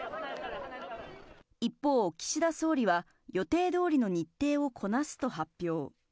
一方、岸田総理は予定どおりの日程をこなすと発表。